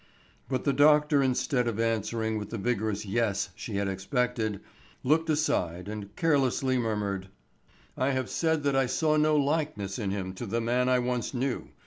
But the doctor instead of answering with the vigorous yes she had expected, looked aside and carelessly murmured: "I have said that I saw no likeness in him to the man I once knew.